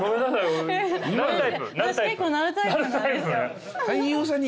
私結構鳴るタイプ。